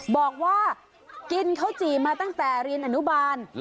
บอกว่ากินข้าวจี่มาตั้งแต่เรียนอนุบาล